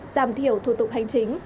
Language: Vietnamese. giảm thiểu thủ tục hành chính